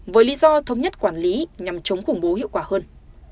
với lý do thống nhất quản lý nhằm chống khủng bố hiệu quả hơn